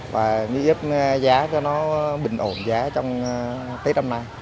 và nghĩa giá cho nó bình ổn giá trong tết năm nay